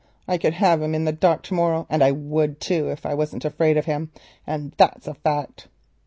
I could have him in the dock to morrow, and I would, too, if I wasn't afraid of him, and that's a fact."